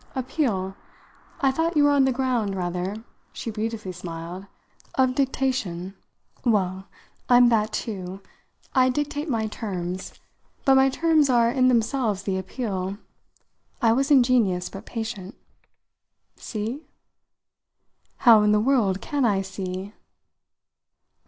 "Appeal? I thought you were on the ground, rather," she beautifully smiled, "of dictation." "Well, I'm that too. I dictate my terms. But my terms are in themselves the appeal." I was ingenious but patient. "See?" "How in the world can I see?"